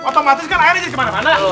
otomatis kan airnya jadi kemana mana